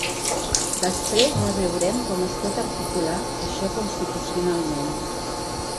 Després ja veurem com es pot articular això constitucionalment.